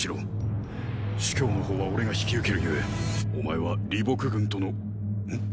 朱凶の方は俺が引き受ける故お前は李牧軍とのん？